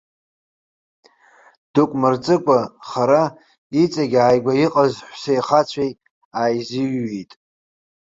Дук мырҵыкәа хара, иҵегьы ааигәа иҟаз ҳәсеи хацәеи ааизыҩҩит.